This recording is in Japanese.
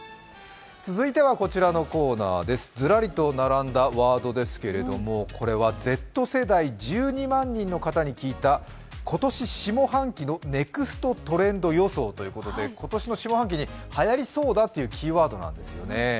続いてはこちらのコーナーです、ずらりと並んだワードですけれどもこれはＺ世代１２万人の方に聞いた今年下半期のネクストトレンド予想ということで今年の下半期にはやりそうだというキーワードなんですよね。